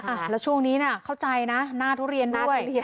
อ่าแล้วช่วงนี้น่ะเข้าใจนะหน้าทุเรียนด้วยหน้าทุเรียน